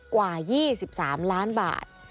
กว่า๒๓ล้านบาท